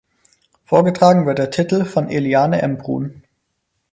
Vorgetragen wird der Titel von Eliane Embrun.